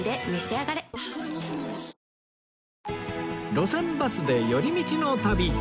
『路線バスで寄り道の旅』